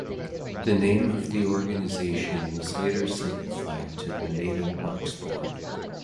The name of the organisation was later simplified to the Natal Parks Board.